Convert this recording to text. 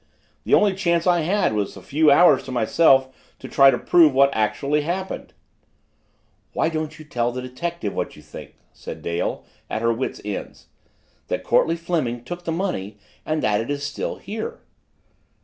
The only chance I had was a few hours to myself to try to prove what actually happened." "Why don't you tell the detective what you think?" said Dale at her wits' end. "That Courtleigh Fleming took the money and that it is still here?"